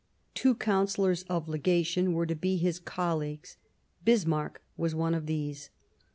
Two Councillors of Legation were to be his colleagues ; At the Diet Bismarck was one of these.